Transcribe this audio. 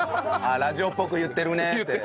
ラジオっぽく言ってるねって。